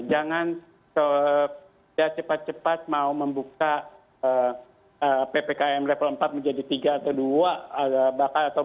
jangan cepat cepat mau membuka ppkm level empat menjadi tiga atau dua